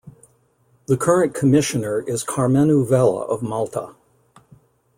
The current Commissioner is Karmenu Vella of Malta.